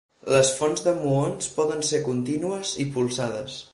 Les fonts de muons poden ser contínues i polsades.